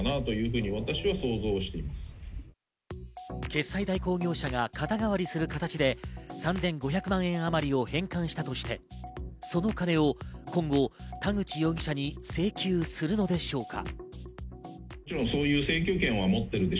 決済代行業者が肩代わりする形で３５００万円あまりを返還したとして、その金を今後、田口容疑者に請求するのでしょうか？